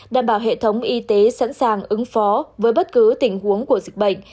đảm bảo hệ thống y tế sẵn sàng ứng phó với bất cứ tình huống của dịch bệnh